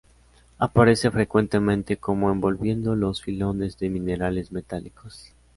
Aparece frecuentemente como envolviendo los filones de minerales metálicos.